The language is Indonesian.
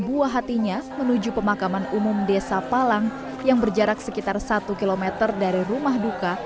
buah hatinya menuju pemakaman umum desa palang yang berjarak sekitar satu km dari rumah duka